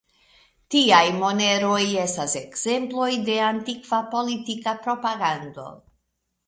Tiaj moneroj estas ekzemploj de antikva politika propagando.